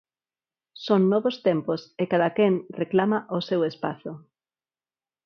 Son novos tempos e cada quen reclama o seu espazo.